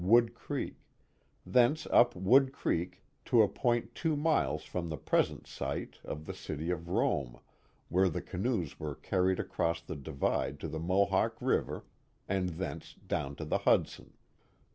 Wood Creek, thence up Wood Creek to a point two miles from the present site of the city of Rome where the canoes were carried across the divide to the Mohawk River, and thence down to the Hudson.